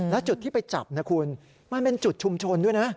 และจุดที่ไปจับนะคุณมันเป็นจุดชุมชนด้วยนะ